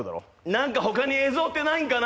何か他に映像ってないんかな。